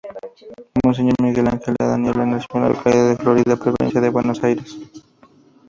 Monseñor Miguel Ángel D’Annibale nació en la localidad de Florida, provincia de Buenos Aires.